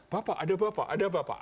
bapak ada bapak ada bapak